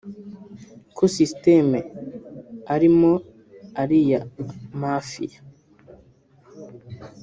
ko ‘system’ arimo ari iya ‘mafia’